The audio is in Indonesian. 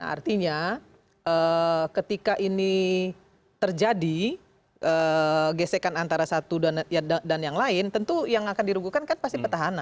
artinya ketika ini terjadi gesekan antara satu dan yang lain tentu yang akan dirugukan kan pasti petahana